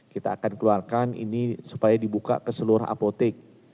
kita akan keluarkan ini supaya dibuka ke seluruh apotek